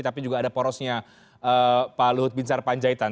tapi juga ada porosnya pak luhut bin sarpanjaitan